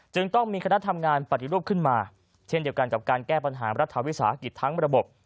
จึงต้องมีคณะทำงานปฏิรูปขึ้นมาเช่นเดียวกันกับการแก้ปัญหารัฐวิสาหกิจทั้งระบบ